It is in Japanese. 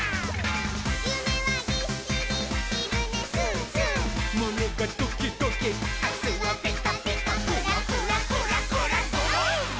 「ゆめはぎっしりひるね」「すーすー」「むねがドキドキ」「あすはピカピカ」「クラクラクラクラドロン！」